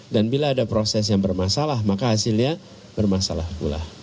dan bila ada proses yang bermasalah maka hasilnya bermasalah pula